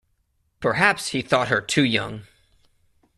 Perhaps he thought her too young.